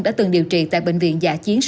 đã từng điều trị tại bệnh viện dạ chiến số hai